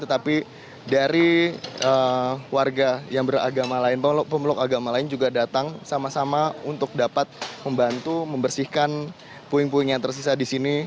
tetapi dari warga yang beragama lain pemeluk agama lain juga datang sama sama untuk dapat membantu membersihkan puing puing yang tersisa di sini